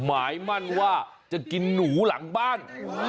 หมายมั่นว่าจะกินหนูหลังบ้าน